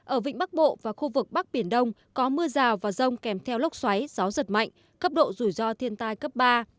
ở vịnh bắc bộ và khu vực bắc biển đông có mưa rào và rông kèm theo lốc xoáy gió giật mạnh cấp độ rủi ro thiên tai cấp ba